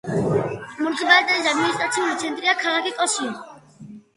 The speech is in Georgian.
მუნიციპალიტეტის ადმინისტრაციული ცენტრია ქალაქი კოსიო.